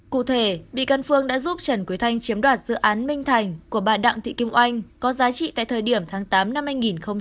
cụ thể bị can phương đã giúp trần quý thanh chiếm đoạt dự án minh thành của bà đặng thị kim oanh có giá trị tại thời điểm tháng tám năm hai nghìn hai mươi là gần bốn trăm hai mươi tám tỷ đồng